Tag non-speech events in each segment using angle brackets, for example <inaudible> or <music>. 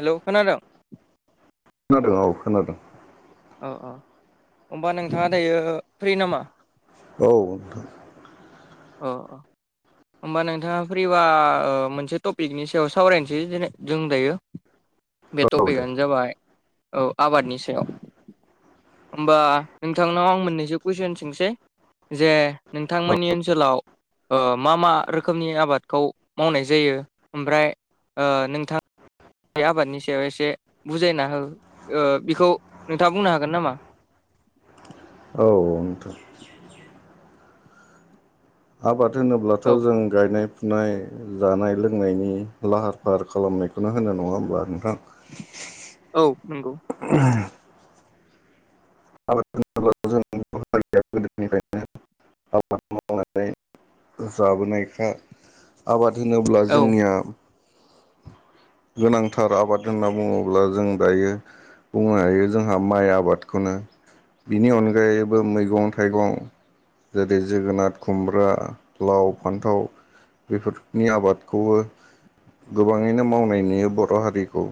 हेल' खोनादों? खोनादों औ खोनादों। औ औ होनबा नोंथाङा दायो फ्रि नामा? औ अ अ होमबा नोंथाङा फैबा मोनसे टपिकनि सायाव सावरायनोसै दिनै जों दायो। <inaudible> बे दे टपिकआनो जाबाय औ आबादनि सायाव होमबा नोंथांनाव आं मोननैसो कुइसन सोंसै जे औ नोंथांमोननि ओनसोलाव मा मा रोखोमनि आबादखौ मावनाय जायो ओमफ्राय नोंथां बे आबादनि सायाव एसे बुजायना हो ओ बेखौ नोंथाङा बुंनो हागोन नामा? औ नोंथां। आबाद होनोब्लाथ' औ जों गायनाय फुनाय जानाय लोंनायनि लाहार फाहार खालामनायखौनो होनो नङा होमबा नोंथां। औ नंगौ। <inaudible> आबाद' जों गोदोनिफ्रायनो आबाद मावनानै जाबोनायखा आबाद होनोब्ला औ जोंनिया गोनांथार आबाद होनना बुङोब्ला जों दायो बुंनो हायो जोंहा माइ आबादखौनो बिनि अनगायैबो मैगं थाइगं जेरै जोगोनार खुमब्रा लाव फान्थाव बेफोरनि आबादखौबो गोबाङैनो मावनाय नुयो बर' हारिखौ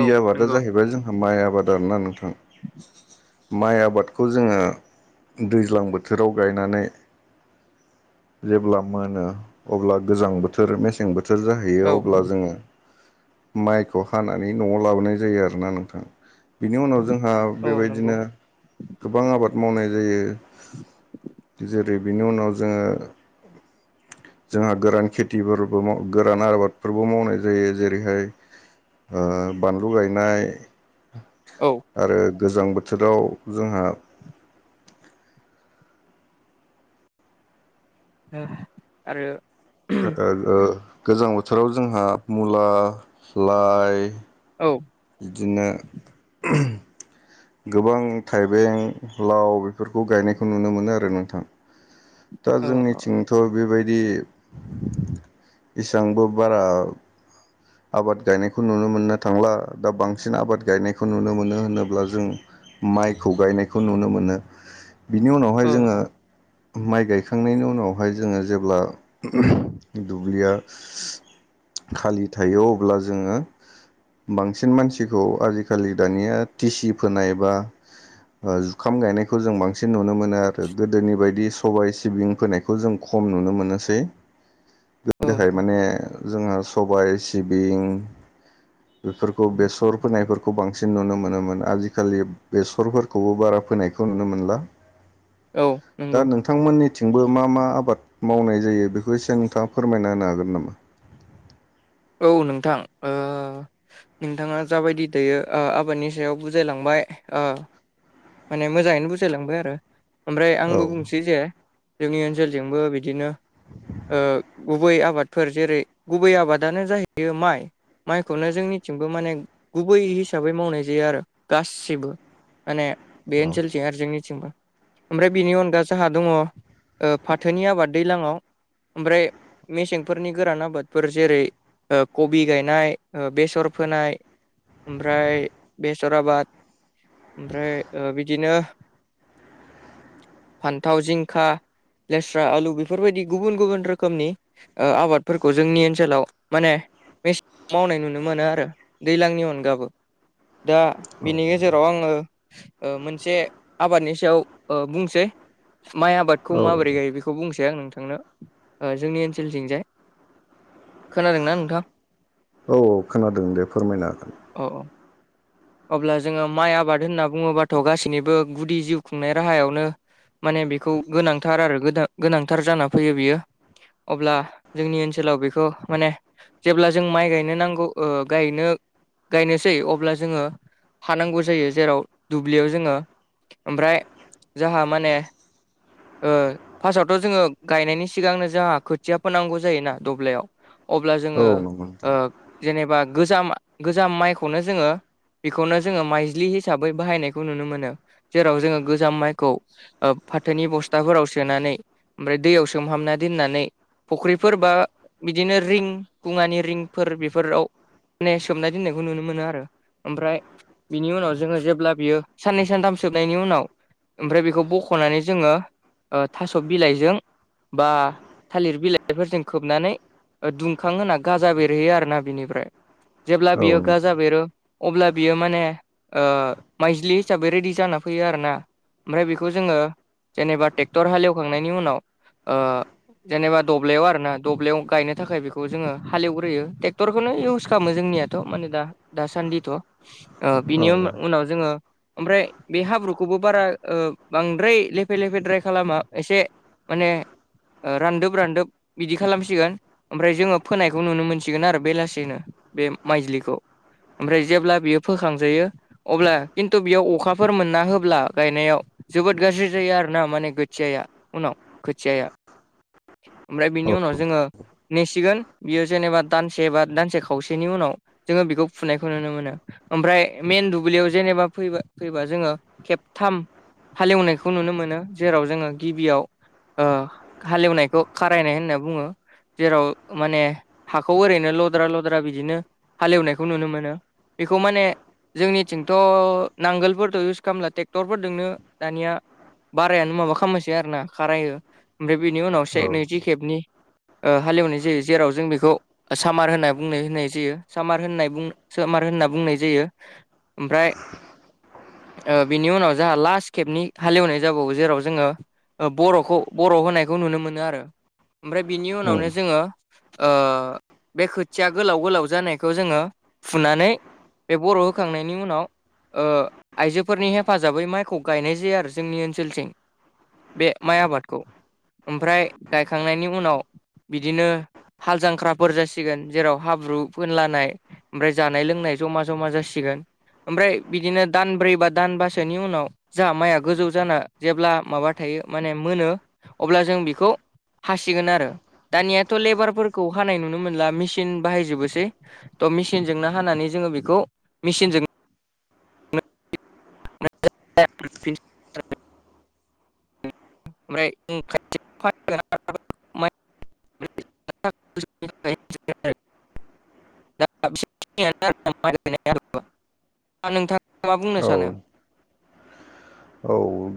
औ आबादा नंगौ जाहैबाय जोंहा माइ आबाद आरोना नोंथां माइ आबादखौ जोङो दैज्लां बोथोराव गायनानै जेब्ला मोनो अब्ला गोजां बोथोर मेसें बोथोर जायो औ होयो अब्ला जोङो माइखौ हानानै न'आव लाबोनाय जायो आरोोना नोंथां बिनि उनाव जोंहा औ नंगौ बेबायदिनो गोबां आबाद मावनाय जायो जेरै बेनि उनाव जोङो <unintelligible> जोंहा गोरान खेथिफोरबो माव गोरान आबादफोरबो मावनाय जायो जेरैहाय बानलु गायनाय औ आरो गोजां बोथोराव जोंहा आरो गोजां बोथोराव जोंहा मुला लाइ औ बिदिनो गोबां थाइबें लाव बेफोरखौ गायनायखौ नुनो मोनो आरो नोंथां दा औ जोंनिथिंथ' बेबायदि इसांबो बारा आबाद गायनायखौ नुनो मोननो थांला दा बांसिन आबाद गायनायखौ नुनो मोनो होनोब्ला जों माइखौ गायनायखौ नुनो मोनो बिनि उनावहाय औ जोङो माइ गायखांनायनि उनावहाय जोङो जेब्ला दुब्लिया खालि थायो अब्ला जोङो बांसिन मानसिखौ आजिखालि दानिया टिसि फोनाय बा जुखाम गायनायखौ जों बांसिन नुनो मोनो आरो गोदोनि बायदि सबायाइ सिबिं फोनायखौ बे खौ जों खम नुनो मोननोसै औ गोदोहाय माने जोंहा सबाय सिबिं बेफोरखौ बेसर फोनायफोरखौ बांसिन नुनो मोनोमोन आजिखालि बेसरफोरखौबो बारा फोनायखौ नुनो मोनला औ दा नंगौ नों नोंथांमोननिथिंबो मा मा आबाद मावनाय जायो बेखौ एसे नोंथाङा फोरमायना होनो हागोन नामा औ नोंथां नोंथाङा जाबायदि दैायो आबादनि सायाव बुजायलांबाय माने मोजाङैनो बुजायलांबाय आरो ओमफ्राय आंबो बुंसै जे जोंनि ओनसोलजोंबो बिदिनो गुबै आबादफोर जेरै गुबै आबादानो जाहैयो माइ माइखौनो जोंनिथिंबो माने गुबै हिसाबै मावनाय जायो आरो गाससिबो माने बे औ ओनसोलथिं आलो जेंनिथिंबो ओमफ्राय बेनि अनगा जोंहा दङ फाथोनि आबाद दैलाङाव ओमफ्राय मेसेंफोरनि गोरान आबादफोर जेरै कबि गायनाय बेसर फोनाय ओमफ्राय बेसर आबाद ओमफ्राय ओ बिदिनो फान्थाव जिंखा लेस्रा आलु बेफोरबायदि गुबुन गुबुन रोखोमनि आबादफोरखौ जोंनि ओनसोलाव माने मेसेङाव मावनाय नुनो मोनो आरो दैज्लांनि अनगाबो दा औ बिनि गेजेराव आङो मोनसे आबादनि सायाव बुंसै माइ आबादखौ औ माबोरै दे गायो बेखौ खौ बुंसै आं नोंथांनो जोंनि ओनसोलथिं जाय खोनादों ना नोंथां औ औ खोनादों दे फोरमायनो हागोन। औ औ अब्ला जोङो माइ आबाद होनना बुङोबाथ' गासैनिबो गुदि जिउ खुंनाय राहायावनो माने बेखौ गोनांथार आरो गोदा-गोनांथार जाना फैयो बियो अब्ला जोंनि ओनसोलाव बेखौ माने जेब्ला जों माइ गायनो नांगौ गायनो गायनोसै अब्ला जोङो हानांगौ जायो जेराव दुब्लियाव जोङो ओमफ्राय जोंहा माने फार्स्टआवथ' जोङो गायनायनि सिगांनो जोंहा खोथिया फोनांगौ जायोना दब्लायाव अब्ला जोङो औ नंगौ नोंथां जेनेबा गोजाम गोजाम माइखौनो जोङो बेखौनो जोङो माइज्लि हिसाबै बाहायनायखौ नुनो मोनो जेराव जोङो गोजाम माइखौ फाथोनि बस्थाफोराव सोनानै ओमफ्राय दैयाव सोमहाबना दोननानै फख्रिफोर बा बिदिनो रिं खुंवानि रिंफोर बेफोराव माने सोमनाय दोननायखौ नुनो मोनो आरो ओमफ्राय बिनि उनाव जोङो जेब्ला बियो साननै सानथाम सोबनायनि उनाव ओमफ्राय बेखौ बख'नानै जोङो थास' बिलाइजों बा थालिर बिलाइफोरजों खोबनानै दुंखां होना गाजा बेरहैयो आरोना बिनिफ्राय जेब्ला औ बियो नोंथां गाजा बेरो अब्ला बियो माने माइज्लि हिसाबै रेडि जाना फैयो आरोना ओमफ्राय बेखौ जोङो जेनेबा ट्रेक्टर हालेवखांनायनि उनाव जेनेबा दब्लायाव आरोना दब्लायाव गायनो थाखाय बेखौ जोङो हालेवग्रोयो ट्रेक्टरखौनो इउस खालामो जोंनिया थ माने दा दासान्दिथ' औ बिनि उन-उनाव जोङो ओमफ्राय बे हाब्रुखौबो बारा बांद्राय लेफे लेफेद्राय खालामा एसे माने रानदोब रानदोब बिदि खालामसिगोन ओमफ्राय जोङो फोनायखौ नुनो मोनसिगोन आरो बेलासिनो बे माइज्लिखौ ओमफ्राय जेब्ला बियो फोखांजायो अब्ला खिन्थु बेयाव अखाफोर मोनना होब्ला गायनायाव जोबोद गाज्रि जायो आरो ना माने खोथियाया उनाव खोथियाया ओमफ्राय बिनि उनाव जोङो नेसिगोन बियो जेनेबा दानसे बा दानसे खावसेनि उनाव जोङो बेखौ फुनायखौ नुनो मोनो। ओमफ्राय मेन दुब्लियाव जेनेबा फैबा फैबा जोङो खेबथाम हालेवनायखौ नुनो मोनो जेराव जोङो गिबियाव हालेवनायखौ खारायनाय होनना बुङो। जेराव माने हाखौ ओरैनो लद्रा लद्रा बिदिनो हालेवनायखौ नुनो मोनो। बेखौ माने जोंनिथिंथ' नांगोलफोरथ' इउस खालामला ट्रेक्टरफोरदोंनो दानिया बारायानो माबा खालामसै आरो ना खारायो ओमफ्राय बिनि उनावस औ नैजि खेबनि हालेवनाय जायो जेराव जों बेखौ सामार होनना बुंनाय होननाय जायो सामार होननाय सामार होनना बुंनाय जायो। ओमफ्राय बिनि उनाव जोंहा लास्ट केेबनि हालेवनाय <unintelligible> जेराव जोङो बर'खौ बर' होनायखौ नुनो मोनो आरो ओमफ्राय बिनि उम उनावनो जोङो बे खोथिया गोलाव गोलाव जानायखौ जोङो फुनानै बे बर' होखांनायनि उनाव आइजोफोरनि हेफाजाबै माइखौ गायनाय जायो आरो जोंनि ओनसोलथिं बे माइ आबादखौ ओमफ्राय गायखांनायनि उनाव बिदिनो हाल जांख्राफोर जासिगोन जेराव हाब्रु फोनलानाय ओमफ्राय जानाय लोंनाय जमा -जमा जासिगोन ओमफ्राय बिदिनो दानब्रै बा दानबासोनि उनाव जोंहा माइया गोजौ जाना जेब्ला माबा थायो माने मोनो अब्ला जों बेखौ हासिगोन आरो दानियाथ' लेबारफोरखौ हानाय नुनो मोनला मेसिन बाहायजोबोसै। त' मिसिनजोंनो हानानै जोङो बेखौ मिसिनजों <unintelligible> ओमफ्रायाय <unintelligible> <unintelligible> नोंथाङा मा बुंनो औ सानो? औ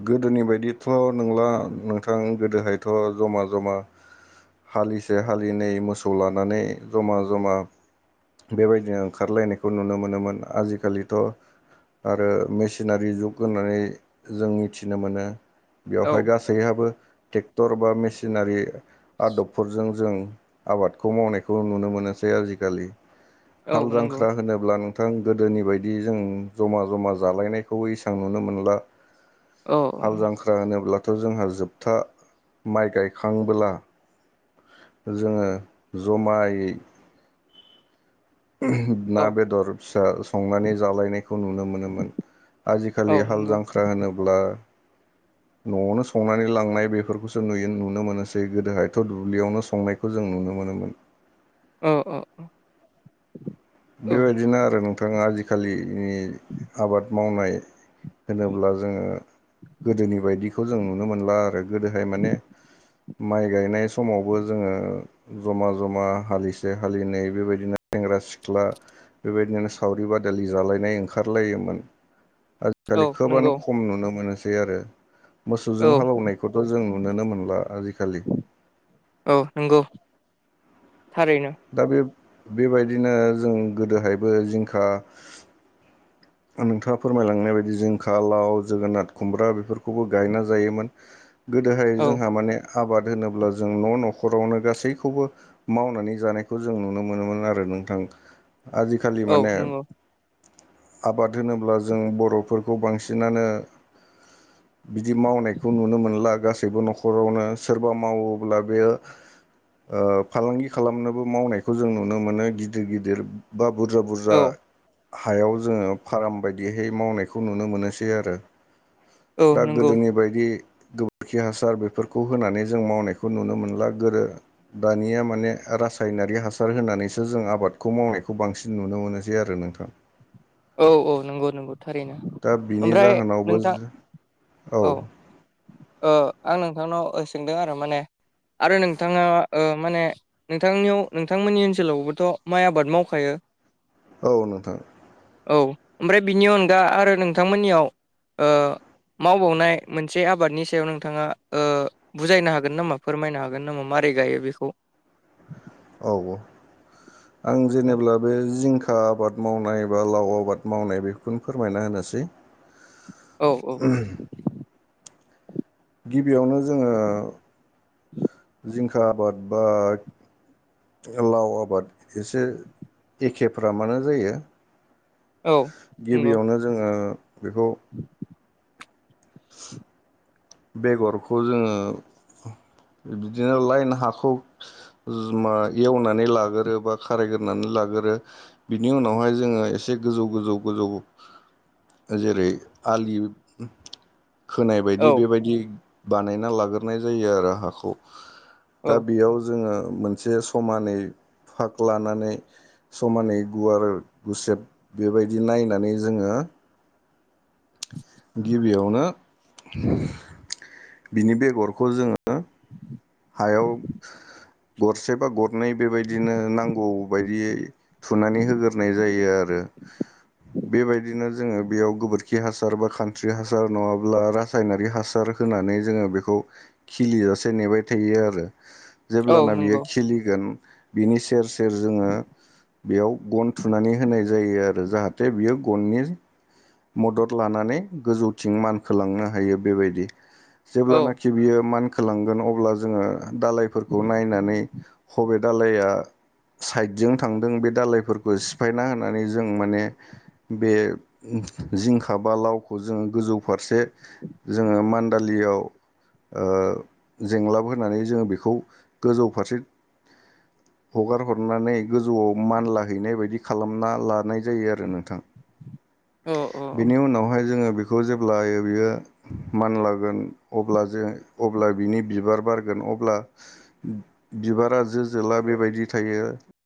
गोदोनि बायदिथ' नंला नोंथां गोदोहायथ' जमा -जमा हालिसे हालिनै मोसौ लानानै जमा- जमा बेबायदिनो ओंखारलायनायखौ नुनो मोनोमोन आजिखालिथ' आरो मेसिनारि जुग होननानै जों मिथिनो मोनो। औ बेवहाय गासै गासैहाबो ट्रेक्टर बा मेसिनारि आदबफोरजों जों आबादखौ मावनायखौ नुनो मोनोसै आजिखालि। औ हाल नंगौ जांख्रा होनोब्ला नोंथां गोदोनि बायदि जों जमा -जमा जालायनायखौबो इसां नुनो मोनला। औ हाल जांख्रा होनोब्लाथ' जोंहा जोबथा माइ गायखांबोला जोङो जमायै ना औ बेदर फिसा संनानै जालायनायखौ खौ नुनो मोनोमोन औ आजिखालि हाल नंगौ जांख्रा होनोब्ला न'आवनो संनानै लांनाय बेफोरखौसो नुयो नुनो मोनोसै गोदोहायथ' दुब्लियावनो संनायखौ जों नुनो मोनोमोन। औ औ औ बेबायदिनो आरो नोंथाङा आजिखालिनि आबाद मावनाय होनोब्ला जोङो गोदोनि बायदिखौ जों नुनो मोनला आरो गोदोहाय माने माइ गायनाय समावबो जोङो जमा -जमा हालिसे हालिनै बेबायदिनो सेंग्रा सिख्ला बेबायदिनो सावरि बादालि जालायनाय ओंखारलायोमोन। औ आजिखालि नंगौ खोबानो खम नुनो मोनोसै आरो। औ मोसौजों हालौनायखौथ' जों नुुनोनो मोनला आजिखालि। औ नंगौ थारैनो दा बे बेबायदिनो जों गोदोहायबो जिंखा - नोंथाङा फोरमायलांनाय बायदि जिंखा, लाव जोगोनार, खुमब्रा बेफोरखौबो गायना जायोमोन। गोदोहाय औ जोंहा माने आबाद होनोब्ला जों न' न'खरावनो गासैखौबो मावनानै जानायखौ जों नुनो मोनोमोन आरो नोंथांश आजिखालि औ माने नंगौ आबाद होनोब्ला जों बर'फोरखौ बांसिनानो बिदि मावनायखौ नुनो मोनला गासैबो न'खरावनो सोरबा मावोब्ला बेयो ओ फालांगि खालामनोबो मावनायखौ जों नुनो मोनो गिदिर- गिदिर बा बुरजा- बुरजा औ हायाव जोङो फार्म बायदिहै मावनायखौ नुनो मोनोसै आरो। औ दा नंगौ गोदोनि बायदि गो खोरखि हासार बेफोरखौ होनानै जों मावनायखौ नुनो मोनला गोदो दानिया माने रासायनारि हासार होनानैसो जों आबादखौ मावनायखौ बांसिन नुनो मोनोसै आरो नोंथां। औ औ नंगौ नंगौ थारैनो दा बिनि ओमफ्राय जाहोनावबो नोंथां औ आं नोंथांनाव सोंदों आरो माने आरो नोंथाङा ओ माने नोंथांनियाव नोंथांमोननि ओनसोलावबोथ' माइ आबाद मावखायो औ नोंथां औ ओमफ्राय बिनि अनगा आरो नोंथांमोननियाव ओ मावबावनाय मोनसे आबादनि सायाव नोंथाङा ओ बुजायनो हागोन नामा फोरमायनो हागोन नामा मारै गायो बेखौ? औ आं औ जेनेब्ला बे जिंखा आबाद मावनाय बा लाव आबाद मावनाय बेखौनो फोरमायना होनोसै। औ औ उम गिबियावनो जोङो जिंखा आबाद बा लाव आबाद एसे एखेफ्रामानो जायो। औ नंगौ गिबियावनो जोङो बेखौ <inaudible> बेगरखौ जोङो बिदिनो लाइन हाखौ मा एवनानै लागोरो बा खारायग्रोनानै लागोरो। बिनि उनावहाय जोङो एसे गोजौ गोजौ गोजौ जेरै आलि खोनाय बायदि औ बेबायदि बानायना लाग्रोनाय जायो आरो हाखौ। दा औ बेयाव जोङो मोनसे समानै फाग लानानै समानै गुवार गुसेब बेबायदि नायनानै जोङो गिबियावनो बिनि बेगरखौ जोङो हायाव गरसे बा गरनै बेबायदिनो नांगौ बायदियै थुनानै होग्रोनाय जायो आरो। बेबायदिनो जोङो बेयाव गोबोरखि हासार बा खान्स्रि हासार नङाब्ला रासायनारि हासार होनानै जोङो बेखौ खिलिजासे नेबाय थेयो आरो औ जेब्लाना बियो नंगौ खिलिगोन बिनि सेर सेर सेर जोङो बेयाव गन थुनानै होनाय जायो आरो जाहाथे बियो गननि मदद लानानै गोजौथिं मानखोलांनो हायो बेबायदि। औ जेब्लानाखि बियो मानखोलांगोन अब्ला जोङो दालायफोरखौ नायनानै अबे दालाया साइडजों थांदों बे दालायफोरखौ सिफायना होनानै जों माने बे जिंखा बा लावखौ जोङो गोजौ फारसे जोङो मान्दालियाव ओ जेंलाबो होनानै जोङो बेखौ गोजौ फारसे हगार हरनानै गोजौआव मानलाहैनाय बायदि खालामना लानाय जायो आरो नोंथां। औ औ बेनि उनावहाय जोङो बेख खौ जेब्ला बियो मानलागोन अब्ला जे अब्ला बिनि बिबार बार गोन अब्ला बिबारा जो जोला बेबायदि थायो।